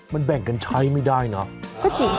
มันแบ่งกันใช้ไม่ได้เนอะ